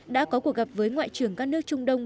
đã có cuộc gặp với ngoại trưởng các nước trung đông